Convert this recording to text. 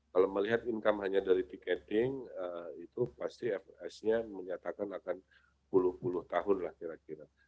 kalau melihat income hanya dari tiketing itu pasti fs nya menyatakan akan sepuluh puluh tahun lah kira kira